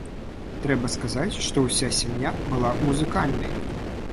Трэба сказаць, што ўся сям'я была музыкальнай.